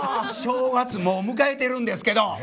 正月もう迎えてるんですけど。